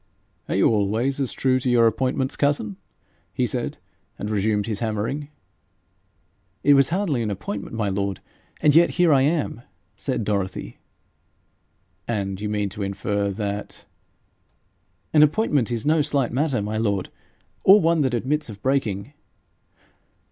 'Are you always as true to your appointments, cousin?' he said, and resumed his hammering. 'It was hardly an appointment, my lord, and yet here I am,' said Dorothy. 'And you mean to infer that ?' 'An appointment is no slight matter, my lord, or one that admits of breaking.'